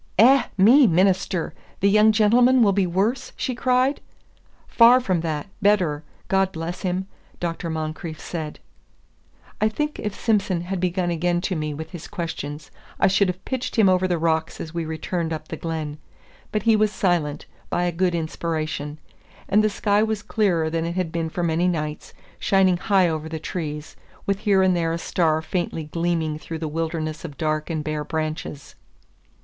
"Eh, me, minister! the young gentleman will be worse?" she cried. "Far from that better. God bless him!" Dr. Moncrieff said. I think if Simson had begun again to me with his questions, I should have pitched him over the rocks as we returned up the glen; but he was silent, by a good inspiration. And the sky was clearer than it had been for many nights, shining high over the trees, with here and there a star faintly gleaming through the wilderness of dark and bare branches.